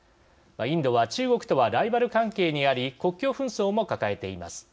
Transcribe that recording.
インドは中国とはライバル関係にあり国境紛争も抱えています。